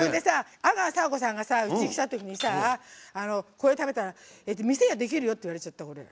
阿川佐和子さんがうちに来たときにこれを食べたら店ができるよって言われた。